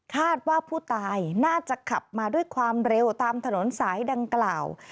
คาดว่าผู้ตายน่าจะขับมาด้วยความเร็วตามถนนสายดังกล่าว